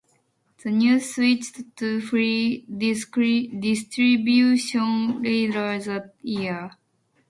The "News" switched to free distribution later that year.